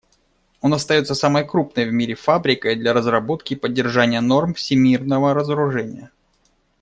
Он остается самой крупной в мире «фабрикой» для разработки и поддержания норм всемирного разоружения.